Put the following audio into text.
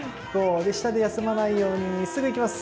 下で休まないようにすぐいきます。